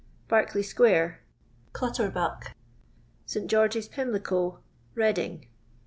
Berkeley square Clutterbuck. St. George's, Pimlico Redding.